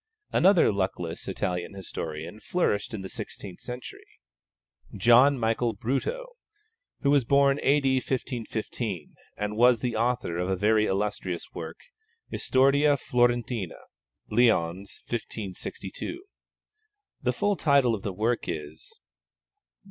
Another luckless Italian historian flourished in the sixteenth century, John Michael Bruto, who was born A.D. 1515, and was the author of a very illustrious work, Historia Florentina (Lyons, 1562). The full title of the work is: _Joh.